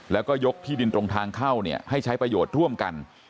แล้วก็ยกที่ดินตรงทางเข้าให้ใช้ประโยชน์ร่วมกัน